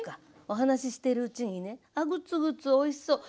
お話ししているうちにねあっグツグツおいしそう。